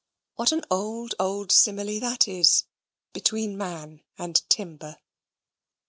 What an old, old simile that is, between man and timber!